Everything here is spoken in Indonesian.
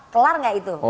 kelar gak itu